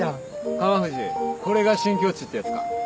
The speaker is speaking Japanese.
川藤これが新境地ってやつか？